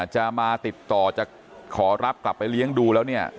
จะมาติดต่อจะขอรับกลับไปเลี้ยงดูแล้วเนี่ย